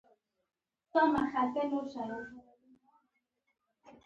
د بل نقد هم چندان خوند نه ورکوي.